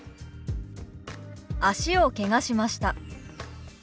「脚をけがしました」。